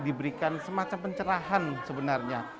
diberikan semacam pencerahan sebenarnya